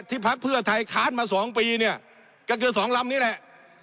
ที่พักเพื่อไทยค้านมาสองปีเนี่ยก็คือสองลำนี่แหละ